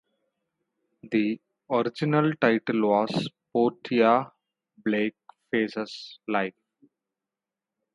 The original title was "Portia Blake Faces Life".